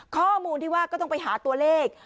ข้อมูลที่ว่าก็ต้องไปหาตัวเลข